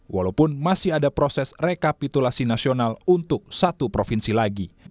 walaupun masih ada proses rekapitulasi nasional untuk satu provinsi lagi